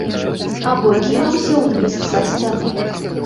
Або кінуўся ўніз са сцяны.